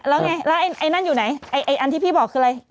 แล้วไงแล้วไอ้นั่นอยู่ไหนไอ้อันที่พี่บอกคืออะไร